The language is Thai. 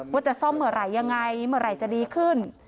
ว่าจะซ่อมเมื่อไหร่ยังไงเมื่อไหร่จะดีขึ้น